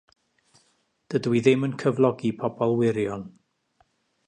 Dydw i ddim yn cyflogi pobl wirion.